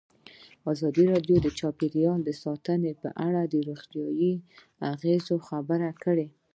ازادي راډیو د چاپیریال ساتنه په اړه د روغتیایي اغېزو خبره کړې.